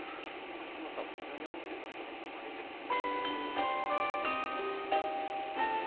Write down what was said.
こっちのさぽにょにょんっていうのはこれ食えんじゃない？